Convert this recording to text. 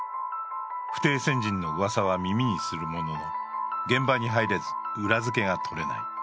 不逞鮮人のうわさは耳にするものの現場に入れず裏づけがとれない。